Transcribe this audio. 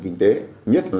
và các doanh nghiệp